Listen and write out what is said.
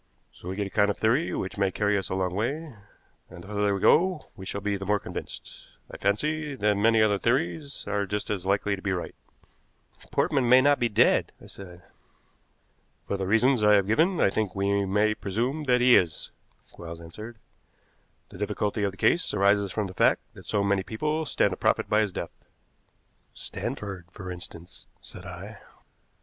So we get a kind of theory which may carry us a long way, and the further we go we shall be the more convinced, I fancy, that many other theories are just as likely to be right." "Portman may not be dead," I said. "For the reasons I have given I think we may presume that he is," Quarles answered. "The difficulty of the case arises from the fact that so many people stand to profit by his death." "Stanford, for instance," said I.